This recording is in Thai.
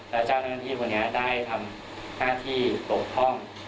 และเจ้าหน้าที่ตรงนี้ได้ทำหน้าที่ปลกห้อง